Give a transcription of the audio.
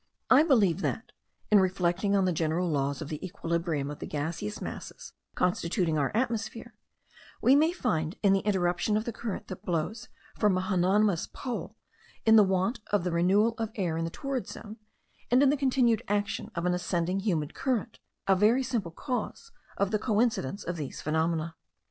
I believe that, in reflecting on the general laws of the equilibrium of the gaseous masses constituting our atmosphere, we may find, in the interruption of the current that blows from an homonymous pole, in the want of the renewal of air in the torrid zone, and in the continued action of an ascending humid current, a very simple cause of the coincidence of these phenomena.